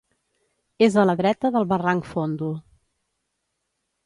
És a la dreta del barranc Fondo.